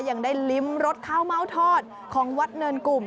ยังได้ลิ้มรสข้าวเม้าทอดของวัดเนินกลุ่ม